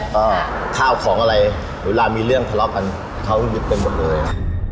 ก็ข้าวของอะไรเวลามีเรื่องทะเลาะกันเขาหยุดไปหมดเลย